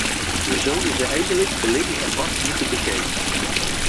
We zouden ze eigenlijk volledig apart moeten bekijken.